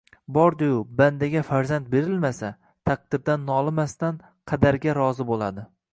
Bordi-yu bandaga farzand berilmasa, taqdirdan nolimasdan qadarga rozi bo‘ladi.